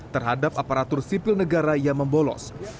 terhadap aparatur sipil negara yang membolos